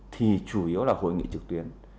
thì chủ yếu là hội nghị trực tuyến